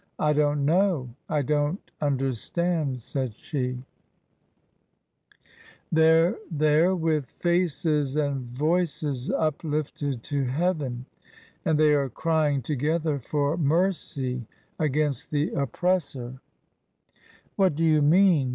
I don't know. I don't understand," said she. "They're there with faces and voices uplifted to heaven. And they are crying together for mercy against the oppressor." TRANSITION, 43 " What do you mean